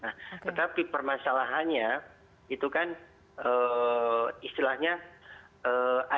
nah tetapi permasalahannya itu kan istilahnya ada beberapa jenis pcr yang ada di perhimpunan